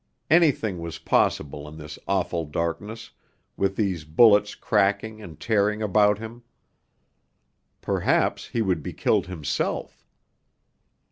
Anything was possible in this awful darkness, with these bullets cracking and tearing about him. Perhaps he would be killed himself.